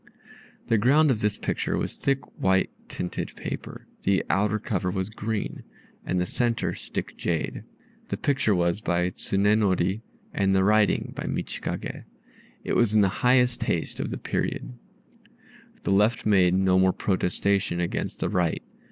The ground of this picture was thick white tinted paper, the outer cover was green, and the centre stick jade. The picture was by Tsunenori, and the writing by Michikage. It was in the highest taste of the period. The left made no more protestation against the right.